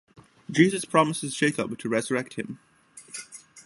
Jesus promises Jacob to resurrect him.